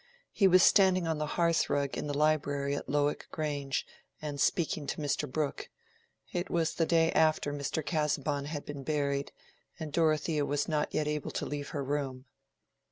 He was standing on the hearth rug in the library at Lowick Grange, and speaking to Mr. Brooke. It was the day after Mr. Casaubon had been buried, and Dorothea was not yet able to leave her room.